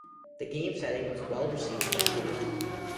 The game's setting was well received by critics.